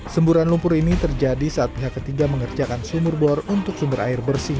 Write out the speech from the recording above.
semburan lumpur ini terjadi saat pihak ketiga mengerjakan sumur bor untuk sumber air bersih